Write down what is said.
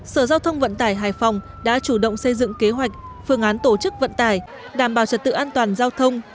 sở giao thông vận tải hải phòng đã chủ động xây dựng kế hoạch phương án tổ chức vận tải đảm bảo trật tự an toàn giao thông